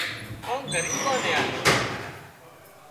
ڪانڪ ڳريٻان نين آليون